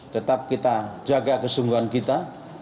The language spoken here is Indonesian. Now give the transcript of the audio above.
tetap kita jaga kesungguhan kita